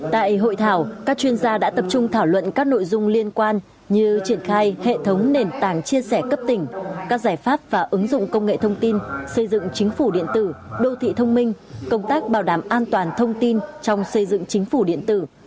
tại hội thảo các chuyên gia đã tập trung thảo luận các nội dung liên quan như triển khai hệ thống nền tảng chia sẻ cấp tỉnh các giải pháp và ứng dụng công nghệ thông tin xây dựng chính phủ điện tử đô thị thông minh công tác bảo đảm an toàn thông tin trong xây dựng chính phủ điện tử